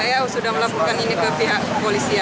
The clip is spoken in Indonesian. saya sudah melakukan ini ke pihak kepolisian